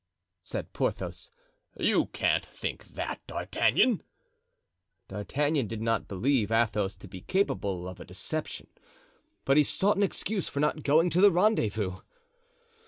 said Porthos, "you can't think that, D'Artagnan!" D'Artagnan did not believe Athos to be capable of a deception, but he sought an excuse for not going to the rendezvous.